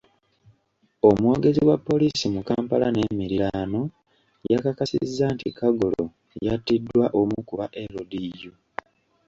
Omwogezi wa poliisi mu Kampala n'emiriraano, yakakasizza nti Kagolo yattiddwa omu ku ba LDU .